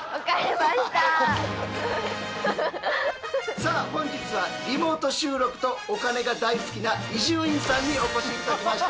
さあ本日はリモート収録とお金が大好きな伊集院さんにお越し頂きました。